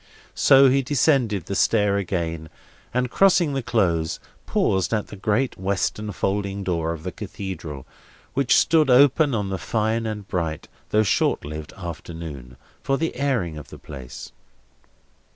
So he descended the stair again, and, crossing the Close, paused at the great western folding door of the Cathedral, which stood open on the fine and bright, though short lived, afternoon, for the airing of the place.